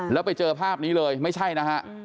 แล้วไปเจอภาพนี้เลยไม่ใช่นะฮะ